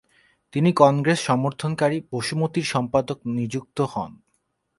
তিনি কংগ্রেস সমর্থনকারী 'বসুমতী'র সম্পাদক নিযুক্ত হন।